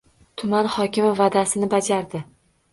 Tuman hokimi va’dasini bajardi